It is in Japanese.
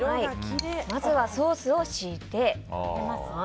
まずはソースをひいていきます。